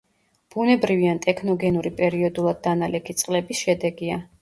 ბუნებრივი ან ტექნოგენური პერიოდულად დანალექი წყლების შედეგია.